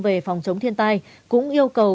về phòng chống thiên tai cũng yêu cầu